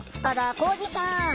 晃司さん！